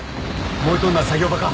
燃えとんのは作業場か。